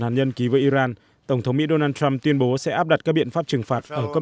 hàn nhân ký với iran tổng thống mỹ donald trump tuyên bố sẽ áp đặt các biện pháp trừng phạt ở cấp